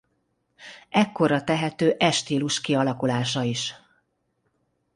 Ekkorra tehető e stílus kialakulása is.